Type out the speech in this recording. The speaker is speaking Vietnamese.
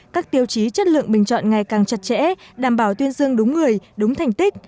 các tiêu chí chất lượng bình chọn ngày càng chặt chẽ đảm bảo tuyên dương đúng người đúng thành tích